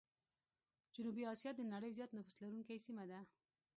جنوبي آسيا د نړۍ زيات نفوس لرونکي سيمه ده.